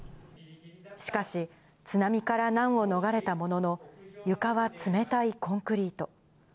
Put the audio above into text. しかし、津波から難を逃れたものの、床は冷たいコンクリート。